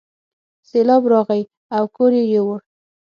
سیلاب راغی او کور یې یووړ.